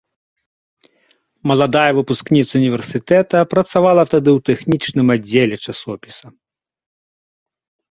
Маладая выпускніца універсітэта працавала тады ў тэхнічным аддзеле часопіса.